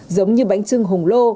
giống như bánh trưng hùng lô